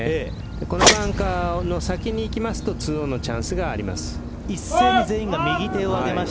このバンカーの先にいくと２オンのチャンスがあります。